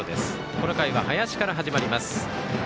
この回は林から始まります。